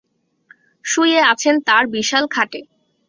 শুয়ে আছেন তাঁর বিশাল খাটে।